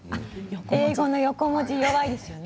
英語の横文字に弱いんですよね。